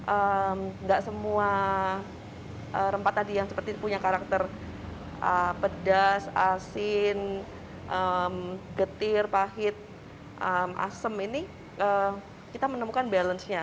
enggak semua rempah tadi yang seperti punya karakter pedas asin getir pahit asem ini kita menemukan balance nya